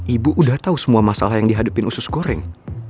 ibu udah tahu semua masalah yang dihadapin usus goreng